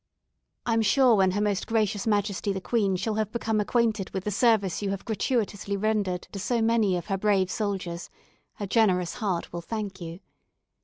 "I am sure when her most gracious Majesty the Queen shall have become acquainted with the service you have gratuitously rendered to so many of her brave soldiers, her generous heart will thank you.